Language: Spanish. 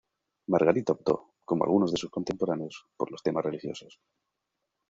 Margarita optó, como algunos de sus contemporáneos, por los temas religiosos.